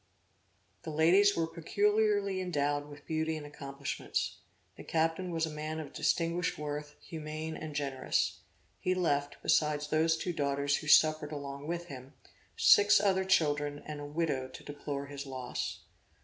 The ladies were peculiarly endowed with beauty and accomplishments. The captain was a man of distinguished worth; humane and generous. (He left, besides those two daughters who suffered along with him, six other children and a widow to deplore his loss.)